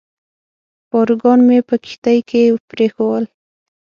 پاروګان مې په کښتۍ کې پرېښوول.